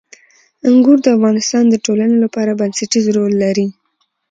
انګور د افغانستان د ټولنې لپاره بنسټيز رول لري.